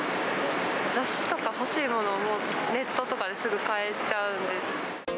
雑誌とか、欲しいものもネットとかですぐ買えちゃうんで。